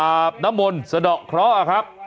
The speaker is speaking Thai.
อาบนมลสะดอกขน์นะครับ